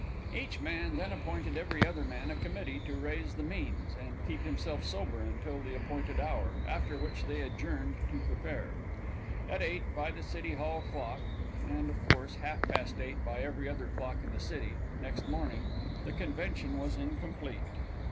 Each man then appointed every other man a committee to raise the means, and keep himself sober until the appointed hour, after which they adjourned to prepare. At eight, by the City Hall clock (and, of course, half past eight by every other clock in the city) next morning, the convention was incomplete.